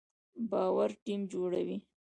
باور ټیم جوړوي